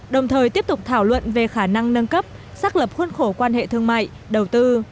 đồng thời tiếp tục thảo luận về khả năng nâng cấp xác lập khuôn khổ quan hệ thương mại đầu tư